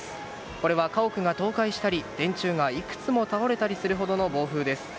これは家屋が倒壊したり電柱がいくつも倒れたりするほどの暴風です。